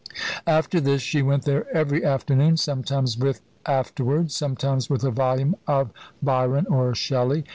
After this she went there every afternoon, sometimes with "Afterwards," sometimes with a volume of Byron or Shelley.